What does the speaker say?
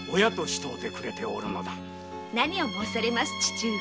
何を申されます。